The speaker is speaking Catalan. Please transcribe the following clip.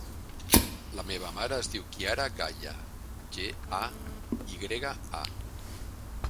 La meva mare es diu Kiara Gaya: ge, a, i grega, a.